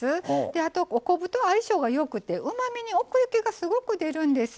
あと、お昆布と相性がよくてうまみに奥行きがすごく出るんです。